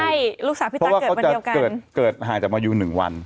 เพราะว่าเขาจะเกิดห่างจากมายุ๑วัน